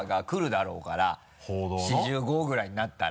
４５ぐらいになったら。